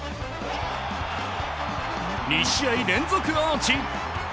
２試合連続アーチ！